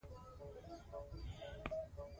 سرمایه او مال د شرافت معیار ګڼل اصل نه دئ.